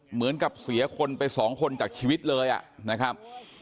เหมือนกับเสียคนไปสองคนจากชีวิตเลยนะครับ